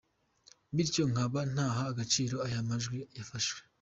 Bityo nkaba ntaha agaciro aya majwi yafashwe.